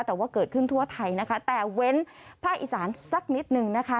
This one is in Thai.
แต่ว่าเกิดขึ้นทั่วไทยนะคะแต่เว้นภาคอีสานสักนิดนึงนะคะ